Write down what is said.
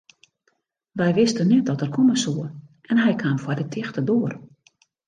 Wy wisten net dat er komme soe en hy kaam foar de tichte doar.